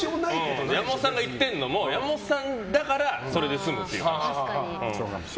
山本さんが言ってるのも山本さんだからそれで済むっていう話。